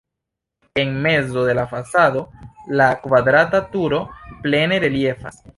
En mezo de la fasado la kvadrata turo plene reliefas.